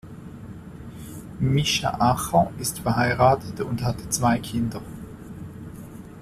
Micha Acher ist verheiratet und hat zwei Kinder.